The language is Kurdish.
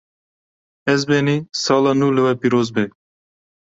Ezbenî! Sala nû li we pîroz be